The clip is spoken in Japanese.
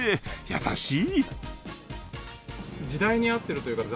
優しい！